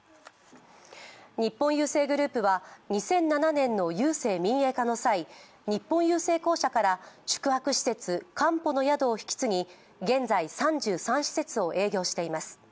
日本郵政グループは２００７年の郵政民営化の際、日本郵政公社から宿泊施設かんぽの宿を引き継ぎ現在３３施設を営業しています。